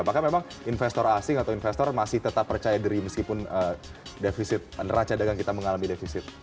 apakah memang investor asing atau investor masih tetap percaya diri meskipun defisit neraca dagang kita mengalami defisit